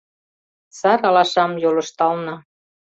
Сар алашам йолыштална